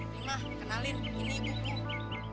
rimah kenalin ini ibu bu